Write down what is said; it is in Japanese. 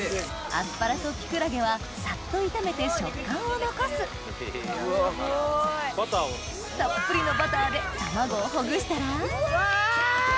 アスパラとキクラゲはサッと炒めて食感を残すたっぷりのバターで卵をほぐしたらうわ！